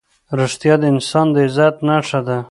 رښتیا د انسان د عزت نښه ده.